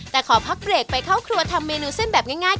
แต่ขอพักเบรกไปเข้าครัวทำเมนูเส้นแบบง่าย